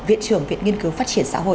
viện trưởng viện nghiên cứu phát triển xã hội